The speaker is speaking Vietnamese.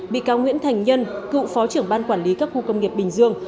bị cáo nguyễn thành nhân cựu phó trưởng ban quản lý các khu công nghiệp bình dương